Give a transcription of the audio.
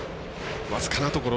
僅かなところ。